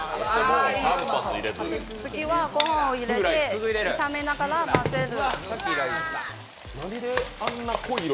次はご飯を入れて炒めながら混ぜる。